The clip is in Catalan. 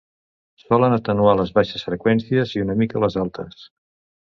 Solen atenuar les baixes freqüències i una mica les altes.